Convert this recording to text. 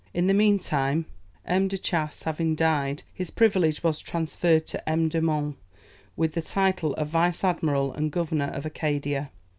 In the meantime M. de Chastes having died, his privilege was transferred to M. de Monts, with the title of Vice admiral and Governor of Acadia.